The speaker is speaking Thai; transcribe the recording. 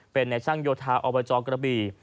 เป็นในช่างโยธาอบจกระบี่